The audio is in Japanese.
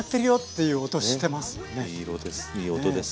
いい音です。